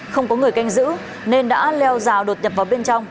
không có người canh giữ nên đã leo rào đột nhập vào bên trong